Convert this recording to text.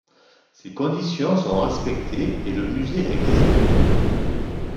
Ces conditions sont respectées et le musée existe toujours.